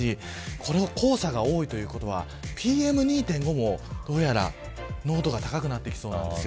この黄砂が多いということはＰＭ２．５もどうやら濃度が高くなってきそうなんです。